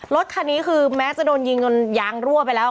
รถคันนี้คือแม้จะโดนยิงจนยางรั่วไปแล้ว